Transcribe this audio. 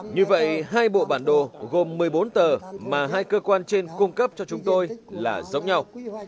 như vậy hai bộ bản đồ gồm một mươi bốn tờ mà hai cơ quan trên cung cấp cho chúng tôi là giống nhau